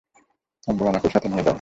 আব্বু, আমাকেও সাথে নিয়ে যাও!